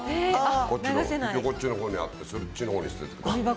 こっちの横っちょのほうにあって、そっちのほうに捨ててくれ。